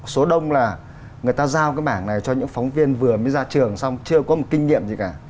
số đông là người ta giao cái mảng này cho những phóng viên vừa mới ra trường xong chưa có một kinh nghiệm gì cả